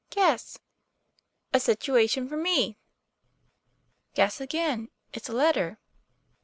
"Guess." "A situation for me." "Guess again. It's a letter."